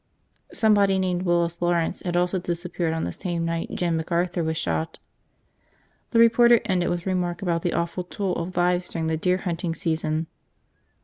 Somebody named Willis Lawrence had also disappeared on the same night Jim McArthur was shot. The reporter ended with a remark about the awful toll of lives during the deer hunting season.